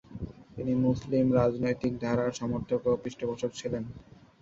তিনি মুসলিম রাজনৈতিক ধারার সমর্থক ও পৃষ্ঠপোষক ছিলেন।